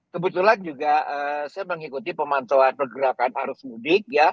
kebetulan juga saya mengikuti pemantauan pergerakan arus mudik